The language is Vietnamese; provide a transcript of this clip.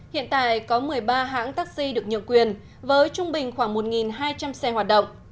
hiện tại có một mươi ba hãng taxi được nhượng quyền với trung bình khoảng một hai trăm linh xe hoạt động